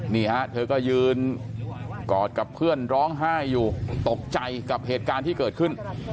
นี่ฮะเธอก็ยืนกอดกับเพื่อนร้องไห้อยู่ตกใจกับเหตุการณ์ที่เกิดขึ้น